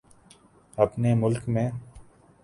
اپنے ملک میں ہے۔